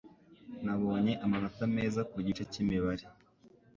Nabonye amanota meza ku gice cyimibare.